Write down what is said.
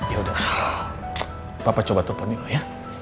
ya udah pak papa coba telfon nino ya